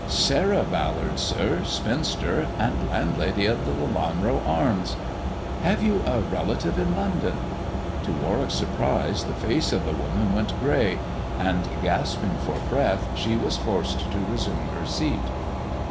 "Sarah Ballard, sir, spinster, and landlady of the * Lelanro Arms.' "" Have you a relative in London ?" To Warwick's surprise the face of the woman went grey, and gasping for breath she was forced to resume her seat.